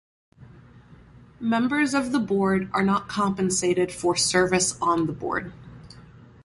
Members of the Board are not compensated for service on the Board.